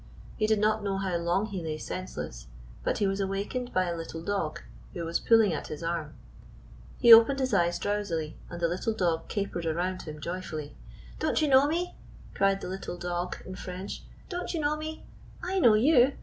He did not know how long he lay senseless, but he was awakened by a little dog who was pulling at his arm. He opened his eyes drow sily, and the little dog capered about him joy fully. " Don't you know me?" cried the little dog 165 GYPSY, THE TALKING DOG in French. " Don't you know me? I know you.